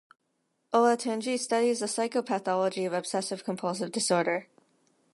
Olatunji studies the psychopathology of obsessive–compulsive disorder.